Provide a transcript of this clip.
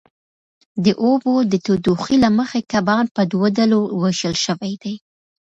د اوبو د تودوخې له مخې کبان په دوو ډلو وېشل شوي دي.